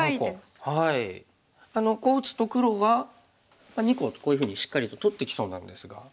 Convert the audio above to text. あのこう打つと黒が２個こういうふうにしっかりと取ってきそうなんですが。